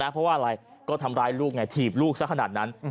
เพราะว่าอะไรก็ทำร้ายลูกไงถีบลูกซะขนาดนั้น